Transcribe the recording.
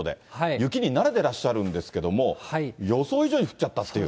雪に慣れてらっしゃるんですけれども、予想以上に降っちゃったっていう。